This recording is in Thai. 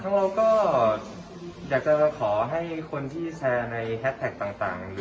เราก็อยากจะขอให้คนที่แชร์ในแฮสแท็กต่าง